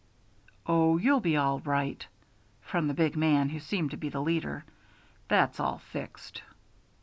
"Oh, you'll be all right," from the big man, who seemed to be the leader; "that's all fixed."